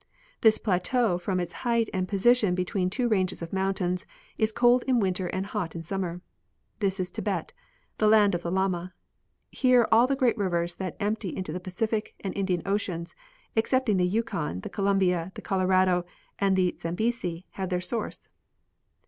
This plateau, from its height and position be tween two ranges of mountains, is cold in winter and hot in summer. This is Tibet, the land of the Llama. Here all the great rivers that empty into the Pacific and Indian oceans, ex cepting the Yukon, the Columbia, the Colorado, and the Zam besi, have their source.